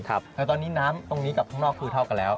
แต่ตอนนี้น้ำตรงนี้กับข้างนอกคือเท่ากันแล้ว